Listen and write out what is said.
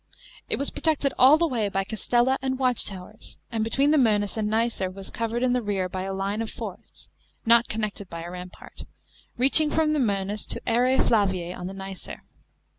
It was protected all the way by castella and watchtowers, and between the Moenus and Mcer was covered in the rear by a line of forts (not connected by a rampart) reaching from the Mcenus to Area Flaviae on the Nicer.